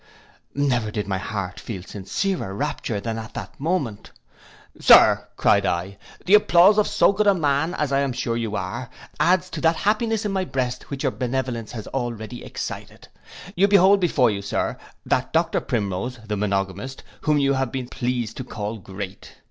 Never did my heart feel sincerer rapture than at that moment. 'Sir,' cried I, 'the applause of so good a man, as I am sure you are, adds to that happiness in my breast which your benevolence has already excited. You behold before you, Sir, that Doctor Primrose, the monogamist, whom you have been pleased to call great.